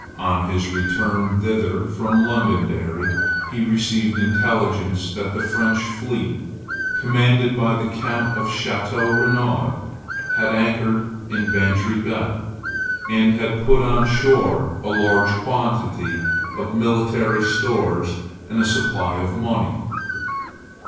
On his return thither from Londonderry he received intelligence that the French fleet, commanded by the Count of Chateau Renaud, had anchored in Bantry Bay, and had put on shore a large quantity of military stores and a supply of money.